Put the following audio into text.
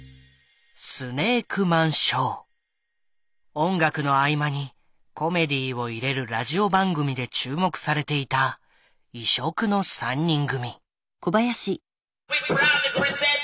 音楽の合間にコメディーを入れるラジオ番組で注目されていた異色の３人組。